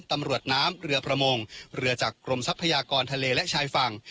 ตำรวจน้ำเรือประมงเรือจากกรมทรัพยากรทะเลและชายฝั่ง